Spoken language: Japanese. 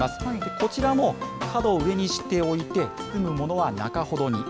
こちらも角を上にして置いて、包むものは中ほどに。